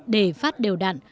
để phát đều đặn